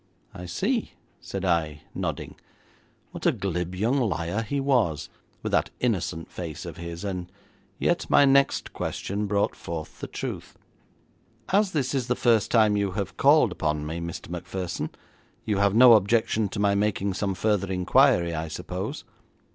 'I see,' said I, nodding. What a glib young liar he was, with that innocent face of his, and yet my next question brought forth the truth. 'As this is the first time you have called upon me, Mr. Macpherson, you have no objection to my making some further inquiry, I suppose.